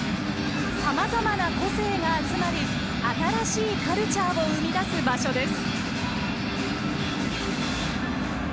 さまざまな個性が集まり新しいカルチャーを生み出す場所です。